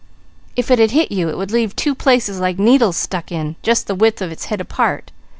"If it had hit you, it would leave two places like needles stuck in, just the width of its head apart.